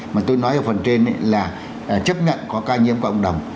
mà tôi nói ở phần trên là chấp nhận có ca nhiễm của cộng đồng